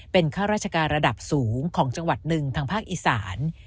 เป็นข้าราชการระดับสูงของจังหวัดหนึ่งทางภาคอีสาน